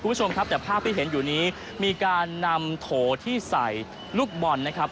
คุณผู้ชมครับแต่ภาพที่เห็นอยู่นี้มีการนำโถที่ใส่ลูกบอลนะครับ